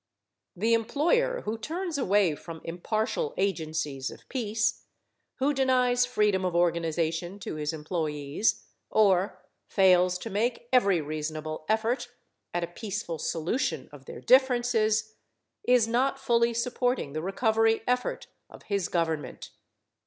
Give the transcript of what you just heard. The employer who turns away from impartial agencies of peace, who denies freedom of organization to his employees, or fails to make every reasonable effort at a peaceful solution of their differences, is not fully supporting the recovery effort of his government.